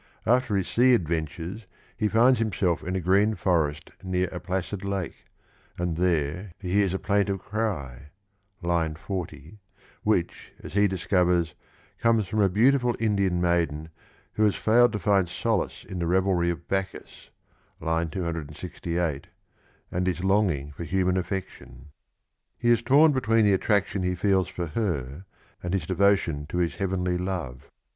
After his sea adventures he finds himself in a green forest near a placid lake and there he hears a plaintive cry (40), which, as he discovers, comes from a beautiful Indian maiden who has failed 68 to find solace in the revelry of Bacchus (268) and is longing for human affection. He is torn between the attraction that he feels for her, and his devotion to his heavenly love.